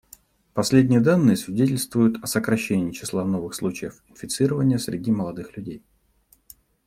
Последние данные свидетельствуют о сокращении числа новых случаев инфицирования среди молодых людей.